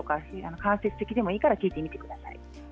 間接的でもいいので聞いてみてください。